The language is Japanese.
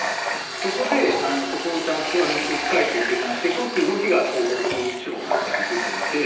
そこでそこをちゃんと置き換えて生産していこうっていう動きが東北地方なんかで出ていて。